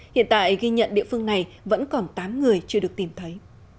hiện tại ghi nhận địa phương này vẫn còn tám người chưa được tìm thấy